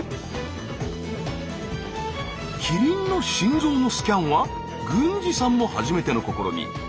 キリンの心臓のスキャンは郡司さんも初めての試み。